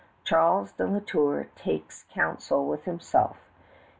Charles de La Tour takes counsel with himself.